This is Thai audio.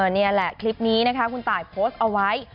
นี่แหละคลิปนี้นะคะคุณตายโพสต์เอาไว้